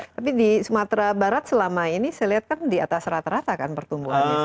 tapi di sumatera barat selama ini saya lihat kan di atas rata rata kan pertumbuhannya